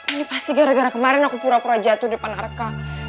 ini pasti gara gara kemarin aku pura pura jatuh depan arka